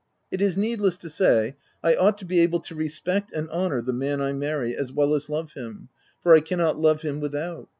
It is needless to say I ought to be able to respect and honour the man I marry as well as love him, for I cannot love him without.